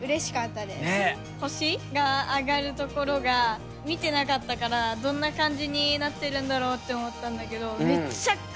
星が上がるところが見てなかったからどんな感じになってるんだろうって思ったんだけどめっちゃくちゃ